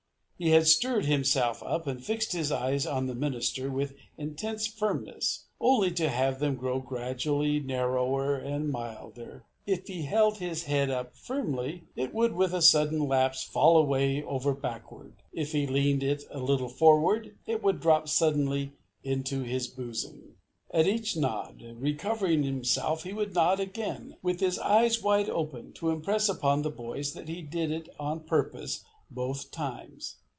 He had stirred himself up, and fixed his eyes on the minister with intense firmness, only to have them grow gradually narrower and milder. If he held his head up firmly, it would with a sudden lapse fall away over backward. If he leaned it a little forward, it would drop suddenly into his bosom. At each nod, recovering himself, he would nod again, with his eyes wide open, to impress upon the boys that he did it on purpose both times.